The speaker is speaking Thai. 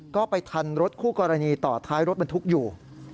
ก็ไปทันรถคู่กรณีต่อท้ายรถบรรทุกอยู่